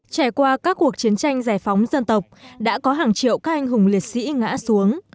trải qua các cuộc chiến tranh giải phóng dân tộc đã có hàng triệu các anh hùng liệt sĩ ngã xuống